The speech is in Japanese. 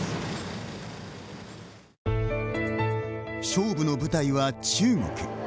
勝負の舞台は中国。